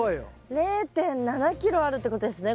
０．７ｋｇあるってことですね